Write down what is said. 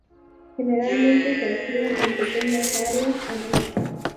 Generalmente se hacían en pequeñas áreas anejas.